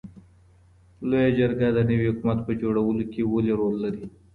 لویه جرګه د نوي حکومت په جوړولو کي ولي رول لري؟